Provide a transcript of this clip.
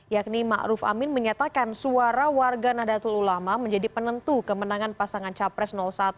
satu yakni ma'ruf amin menyatakan suara warga nadatul ulama menjadi penentu kemenangan pasangan capres satu